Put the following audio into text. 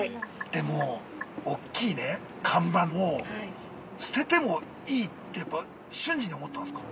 でも、大きい看板を捨ててもいいって、瞬時に思ったんすか？